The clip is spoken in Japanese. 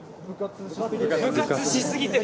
部活しすぎてる。